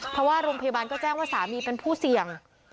เพราะว่าโรงพยาบาลก็แจ้งว่าสามีเป็นผู้เสี่ยง